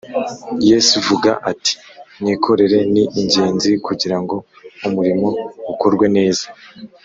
yesvuga ati: “mwikorere ni ingenzi kugira ngo umurimo ukorwe neza